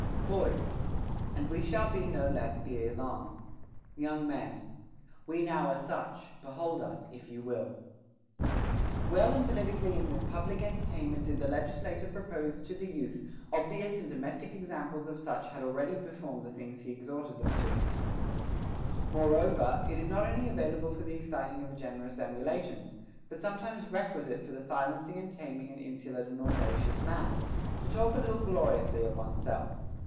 Boys. And we shall be no less ere long. Young Men. We now are such ; behold us, if you will.t Well and politicly in this public entertainment did the legislator propose to the youth obvious and domestic ex * From the Philoctetes of Euripides, Frag. 785 and 787. t See Vol. 1. p. 91. WITHOUT BEING ENVIED. 319 am pies of such as had already performed the things he exhorted them to. 16. Moreover, it is not only available for the exciting of a generous emulation, but sometimes requisite for the silencing and taming an insolent and audacious man, to talk a little gloriously of one's self.